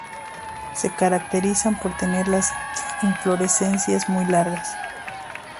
Se caracterizan por tener las inflorescencias muy largas.